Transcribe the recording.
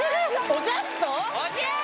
おじゃす！